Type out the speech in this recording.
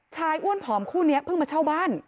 อ้วนผอมคู่นี้เพิ่งมาเช่าบ้าน